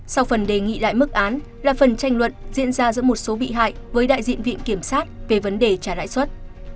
sau phần đề nghị lại mức án là phần tranh luận diễn ra giữa một số bị hại với đại diện viện kiểm sát về vấn đề trả lãi suất